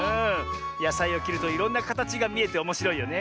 やさいをきるといろんなかたちがみえておもしろいよね。